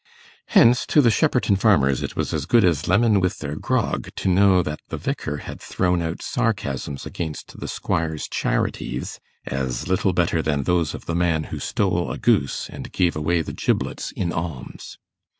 Hence, to the Shepperton farmers it was as good as lemon with their grog to know that the Vicar had thrown out sarcasms against the Squire's charities, as little better than those of the man who stole a goose, and gave away the giblets in alms.